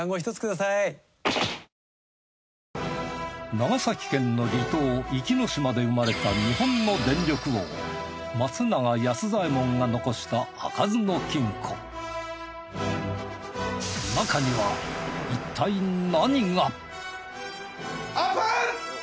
長崎県の離島壱岐島で生まれた日本の電力王松永安左エ門が残した開かずの金庫オープン！